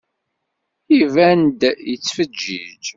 Iban-d yettfeǧǧiǧ.